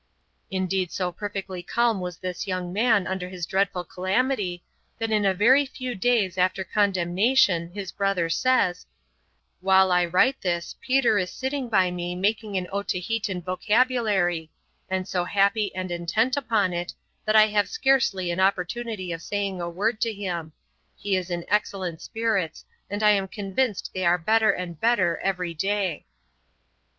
Indeed so perfectly calm was this young man under his dreadful calamity, that in a very few days after condemnation his brother says, 'While I write this, Peter is sitting by me making an Otaheitan vocabulary, and so happy and intent upon it, that I have scarcely an opportunity of saying a word to him; he is in excellent spirits, and I am convinced they are better and better every day.'